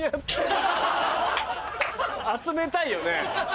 集めたいよね。